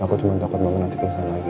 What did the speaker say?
aku cuma takut mama nanti ke sana lagi